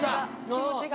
気持ちが。